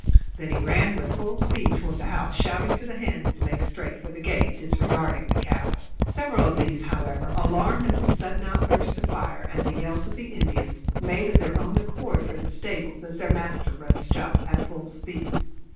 Then he ran with full speed toward the house, shouting to the hands to make straight for the gate, disregarding the cattle. Several of these, however, alarmed at the sudden outburst of fire and the yells of the Indians, made of their own accord for the stables as their master rushed up at full speed.